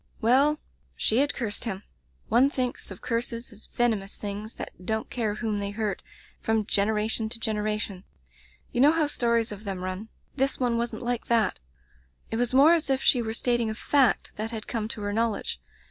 "Well — ^she had cursed him. One thinks of curses as venomous things that don't care whom they hurt 'from generation to genera tion.' You know how stories of them run. [ 102 ] Digitized by LjOOQ IC A Dispensation This one wasn't like that; it was more as if she were stating a fact that had come to her knowledge.